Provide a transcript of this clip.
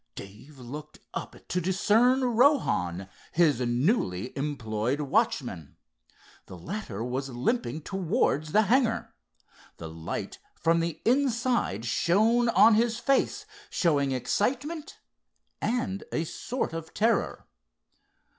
Dave looked up to discern Rohan, his newly employed watchman. The latter was limping towards the hangar. The light from the inside shone on his face, showing excitement, and a sort of terror.